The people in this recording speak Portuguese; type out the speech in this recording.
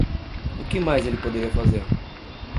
O que mais ele poderia fazer?